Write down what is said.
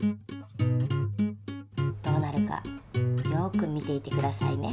どうなるかよく見ていて下さいね。